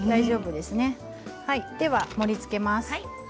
では盛りつけます。